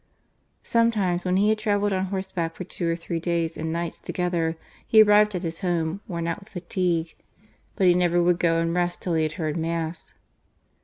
Sometimes when he had travelled on horseback for two or three days and nights together, he arrived at his home worn out with fatigue ; but he never would go and rest till he had heard Mass.